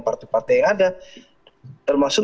partai partai yang ada termasuk